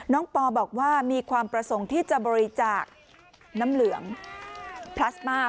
ปอบอกว่ามีความประสงค์ที่จะบริจาคน้ำเหลืองพลาสมา